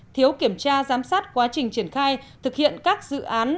thiếu kiểm tra giám sát quá trình triển khai thực hiện các dự án